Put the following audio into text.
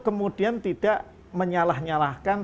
kemudian tidak menyalah nyalahkan